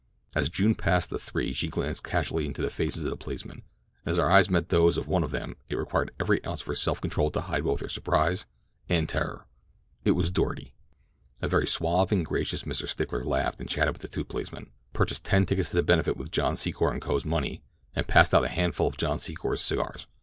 As June passed the three she glanced casually into the faces of the policemen, and as her eyes met those of one of them it required every ounce of her self control to hide both her surprise and terror. It was Doarty. A very suave and gracious Mr. Stickler laughed and chatted with the two policemen, purchased ten tickets to the benefit with John Secor & Co.'s money, and passed out a handful of John Secor & Co.'s cigars.